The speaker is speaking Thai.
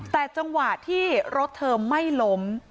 แต่จังหวะที่รถเธอไม่ล้ม